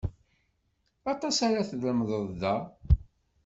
Aṭas ara tlemded da.